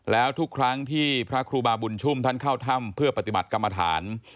แล้วทุกครั้งที่พระครูบาบุญชุ่มท่านเข้าถ้ำเพื่อปฏิบัติกรรมฐาน